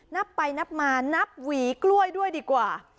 นับไปนับมานับหวีกล้วยด้วยดีกว่า